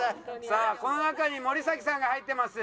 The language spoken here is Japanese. さあこの中に森咲さんが入ってます。